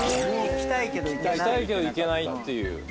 行きたいけど行けないっていう。